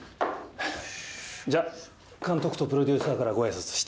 じゃあ監督とプロデューサーからご挨拶して。